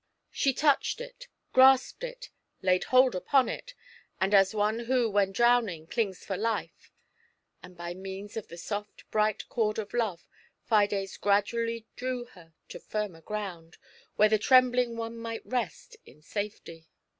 FAIR GRATITUDE. She touched it, grusped it, laid hold upon it, as one w^ho, when drowning, clings for life ; and by means of the soft, bright cord of Love, Fides gradually drew her to finner ground, where the trembUng one might rest in safety.